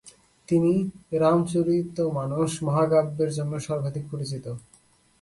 তিনি রামচরিতমানস মহাকাব্যের জন্য সর্বাধিক পরিচিত।